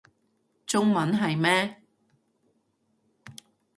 中文係咩